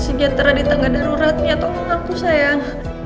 sejatera di tangga daruratnya tolong aku sayang